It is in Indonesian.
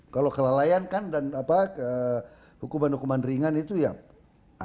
kalau kelalaian kan dan hukuman hukuman ringan itu ya ada